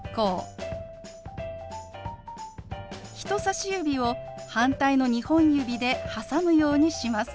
人さし指を反対の２本指で挟むようにします。